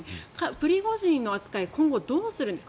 プリゴジンの扱いは今後、どうするんですか。